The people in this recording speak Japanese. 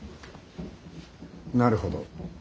なるほど。